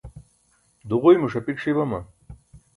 duġuymo ṣapik ṣi bama?